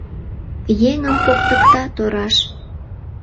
Еҥым поктыкта тораш.